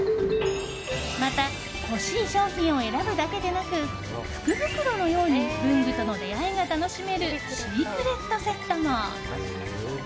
また、欲しい商品を選ぶだけでなく福袋のように文具との出会いが楽しめるシークレットセットも。